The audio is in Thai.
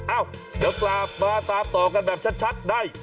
เอ้าเดี๋ยวกลับมาตามต่อกันแบบชัดได้